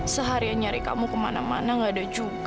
seharian nyari kamu ke mana mana nggak ada juga